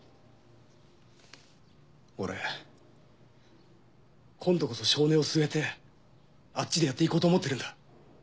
俺今度こそ性根をすえてあっちでやっていこうと思ってるんだ。